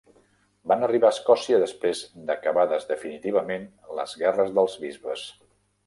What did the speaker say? Van arribar a Escòcia després d'acabades definitivament les guerres dels bisbes.